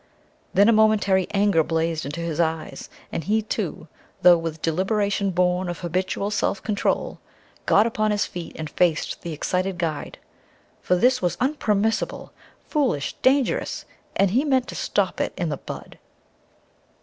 Then a momentary anger blazed into his eyes, and he too, though with deliberation born of habitual self control, got upon his feet and faced the excited guide. For this was unpermissible, foolish, dangerous, and he meant to stop it in the bud.